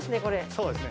そうですね。